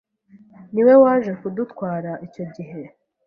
niwe waje kudutwara icyo gihe